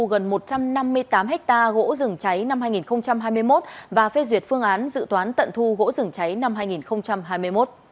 gần một trăm năm mươi tám hectare gỗ rừng cháy năm hai nghìn hai mươi một và phê duyệt phương án dự toán tận thu gỗ rừng cháy năm hai nghìn hai mươi một